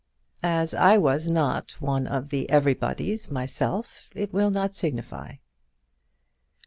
"As I was not one of the everybodies myself, it will not signify."